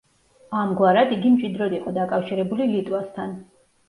ამგვარად, იგი მჭიდროდ იყო დაკავშირებული ლიტვასთან.